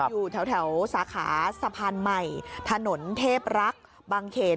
อยู่แถวสาขาสะพานใหม่ถนนเทพรักษ์บางเขน